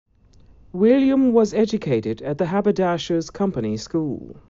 William was educated at the Haberdashers' Company School.